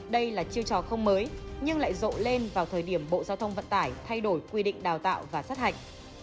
đây là chiêu trò không mới nhưng lại rộ lên vào thời điểm bộ giao thông vận tải thay đổi quy định đào tạo và sát hạch